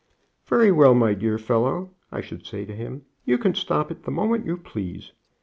'Very well, my dear fellow,' I should say to him, 'you can stop it the moment you please.